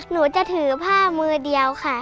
หนูจะถือผ้ามือเดียวค่ะ